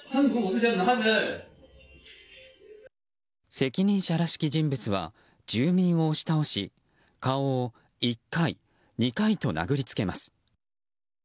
責任者らしき人物は住民を押し倒し顔を１回、２回と殴りつけます。